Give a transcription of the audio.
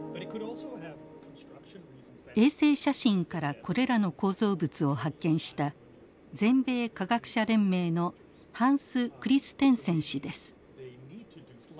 衛星写真からこれらの構造物を発見した全米科学者連盟のハンス・クリステンセン氏です。